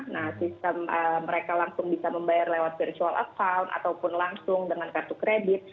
nah sistem mereka langsung bisa membayar lewat virtual account ataupun langsung dengan kartu kredit